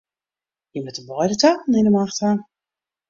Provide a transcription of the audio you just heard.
Je moatte beide talen yn 'e macht ha.